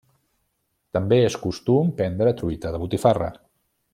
També és costum prendre truita de botifarra.